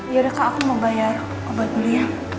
yaudah kak aku mau bayar obat dulu ya